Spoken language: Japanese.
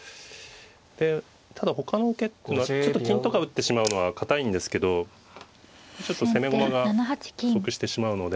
でただほかの受けってのはちょっと金とか打ってしまうのは堅いんですけどちょっと攻め駒が不足してしまうので。